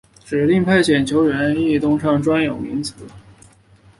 指定派遣球员异动上的专有名词。